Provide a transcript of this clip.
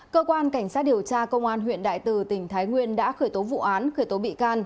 cơ quan cảnh sát điều tra công an huyện đại từ tỉnh thái nguyên đã khởi tố vụ án khởi tố bị can